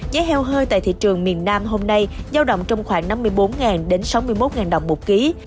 giá heo hơi tại thị trường miền nam hôm nay giao động trong khoảng năm mươi bốn đồng đến sáu mươi một đồng một kg